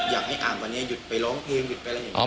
อยากให้อ่านวันนี้หยุดไปร้องเพลงหยุดไปอะไรอย่างนี้